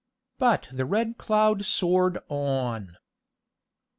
But the Red Cloud soared on.